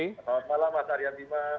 selamat malam mas arya bima